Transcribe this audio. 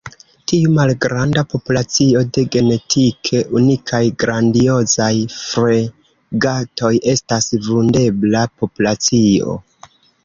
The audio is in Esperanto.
Tiu malgranda populacio de genetike unikaj Grandiozaj fregatoj estas vundebla populacio.